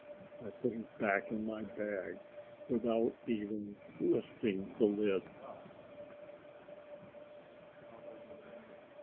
I put it back in my bag without even lifting the lid.